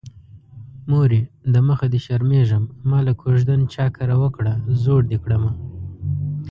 مورې د مخه دې شرمېږم ماله کوژدن چا کره وکړه زوړ دې کړمه